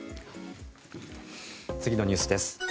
次のニュースです。